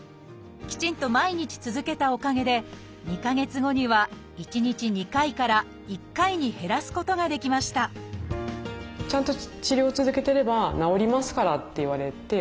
きちんと毎日続けたおかげで２か月後には１日２回から１回に減らすことができましたよかった。